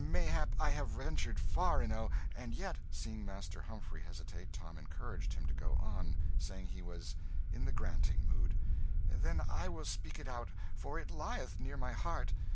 "Mayhap I have ventured far enow; and yet " Seeing Master Humphrey hesitate, Tom encouraged him to go on, saying he was "in the granting mood." "Then will I speak it out, for it lieth near my heart.